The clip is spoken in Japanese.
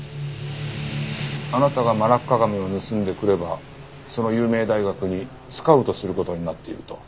あなたがマラッカガメを盗んでくればその有名大学にスカウトする事になっていると。